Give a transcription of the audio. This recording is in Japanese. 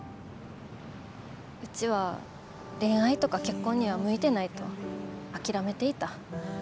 うちは恋愛とか結婚には向いてないと諦めていた。